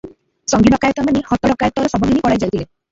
ସଙ୍ଗୀ ଡକାଏତମାନେ ହତ ଡକାଏତର ଶବ ଘେନି ପଳାଇ ଯାଇଥିଲେ ।